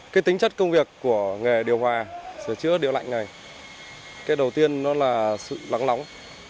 cái tính chất công việc của nghề điều hòa sửa chữa điện lạnh này cái đầu tiên nó là sự lắng lóng